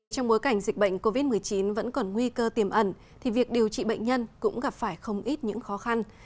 trong bối cảnh dịch bệnh covid một mươi chín vẫn còn nguy cơ tiềm ẩn thì việc điều trị bệnh nhân cũng gặp phải không ít những khó khăn